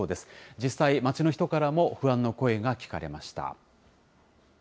実際、街の人からも不安の声が聞かれました。